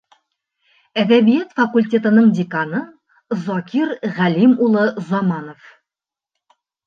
Әҙәбиәт факультетының деканы Закир Ғәлим улы Заманов.